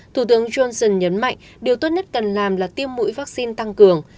thủ tướng johnson nhấn mạnh điều tốt nhất cần làm là tiêm mũi vaccine tăng cường